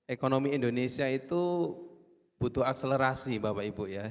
ekonomi indonesia itu butuh akselerasi bapak ibu ya